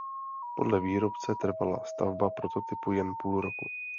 Podle výrobce trvala stavba prototypu jen půl roku.